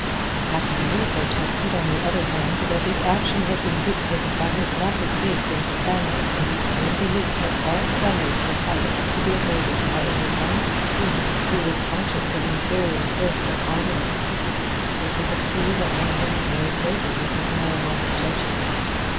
Captain Leigh protested on the other hand that his action had been dictated by his lack of faith in Spaniards and his firm belief that all Spaniards were pirates to be avoided by every honest seaman who was conscious of inferior strength of armaments. It was a plea that won him no favour with his narrow minded judges.